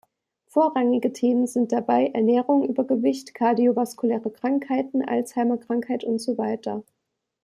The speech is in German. Vorrangige Themen sind dabei: Ernährung, Übergewicht, kardio-vaskuläre Krankheiten, Alzheimer-Krankheit usw.